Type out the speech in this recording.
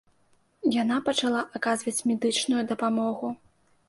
Яна пачала аказваць медычную дапамогу.